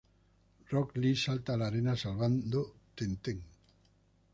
Rock Lee salta a la arena salvando Tenten.